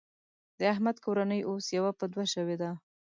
د احمد کورنۍ اوس يوه په دوه شوېده.